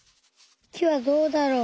木はどうだろう？